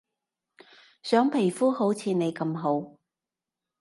想皮膚好似你咁好